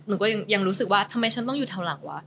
หนูก็ยังรู้สึกว่าทำไมฉันต้องอยู่แถวหลังวะ